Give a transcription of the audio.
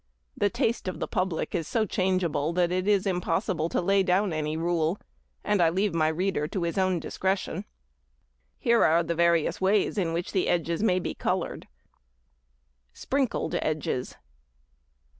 The taste of the public is so changeable that it is impossible to lay down any rule, and I leave my reader to his own discretion. Here are various ways in which the edges may be coloured. _Sprinkled Edges.